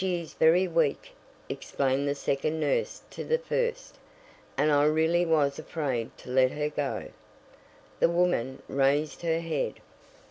"She is very weak," explained the second nurse to the first, "and I really was afraid to let her go." The woman raised her head.